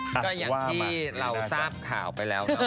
ก็อย่างที่เราทราบข่าวไปแล้วเนาะ